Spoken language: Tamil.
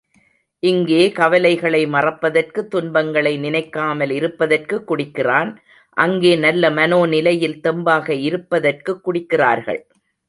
இங்கே கவலைகளை மறப்பதற்கு, துன்பங்களை நினைக்காமல் இருப்பதற்குக் குடிக்கிறான் அங்கே நல்ல மனோ நிலையில் தெம்பாக இருப்பதற்குக் குடிக்கிறார்கள்.